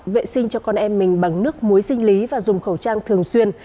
vệ sinh cho con em mình bằng nước muối sinh lý và dùng khẩu trang thường xuyên